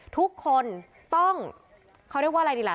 ทุกคนต้องเขาเรียกว่าอะไรดีล่ะ